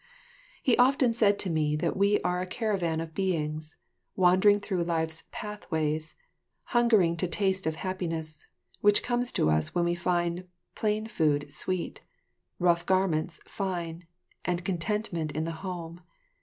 He often said to me that we are a caravan of beings, wandering through life's pathways, hungering to taste of happiness, which comes to us when we find plain food sweet, rough garments fine, and contentment in the home.